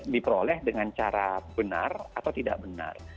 diperoleh dengan cara benar atau tidak benar